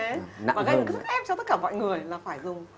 đã gây được sức ép cho tất cả mọi người là phải dùng